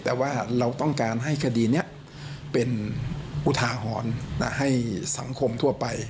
แต่ว่าเราต้องการให้คดีนี้เป็นอุทาหรณ์ให้สังคมทั่วไป